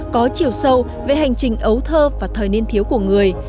có chiều sâu về hành trình ấu thơ và thời niên thiếu của người